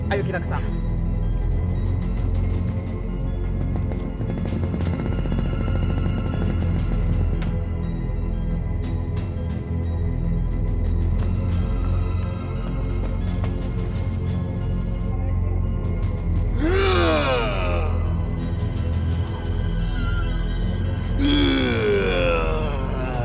aku cuma buruk untuk beliau